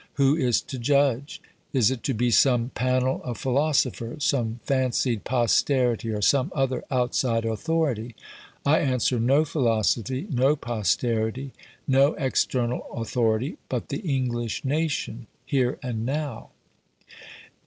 Who is to judge? Is it to be some panel of philosophers, some fancied posterity, or some other outside authority? I answer, no philosophy, no posterity, no external authority, but the English nation here and now.